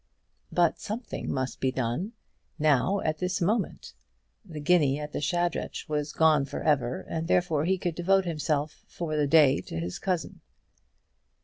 But something must be done, now at this moment. The guinea at the Shadrach was gone for ever, and therefore he could devote himself for the day to his cousin.